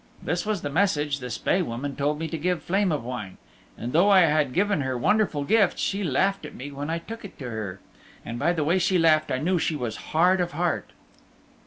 This was the message the Spae Woman told me to give Flame of Wine. And though I had given her wonderful gifts she laughed at me when I took it to her. And by the way she laughed I knew she was hard of heart."